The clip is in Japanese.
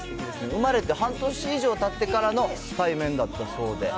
産まれて半年以上たってからの対面だったそうで。